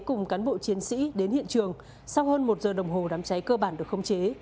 cùng cán bộ chiến sĩ đến hiện trường sau hơn một giờ đồng hồ đám cháy cơ bản được không chế